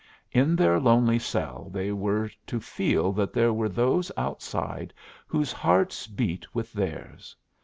In their lonely cell they were to feel that there were those outside whose hearts beat with theirs.